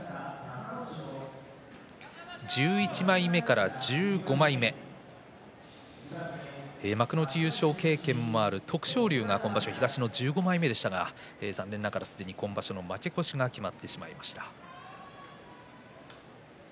１１枚目から１５枚目幕内優勝経験もある徳勝龍は東の１５枚目でしたが残念ながらすでに今場所の負け越しが決まってしまいました。